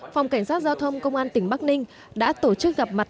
phòng cảnh sát giao thông công an tỉnh bắc ninh đã tổ chức gặp mặt